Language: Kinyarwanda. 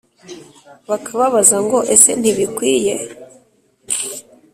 bakababaza ngo «Ese ntibikwiye